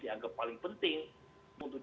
dianggap paling penting untuk